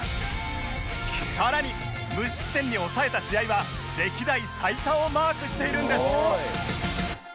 さらに無失点に抑えた試合は歴代最多をマークしているんです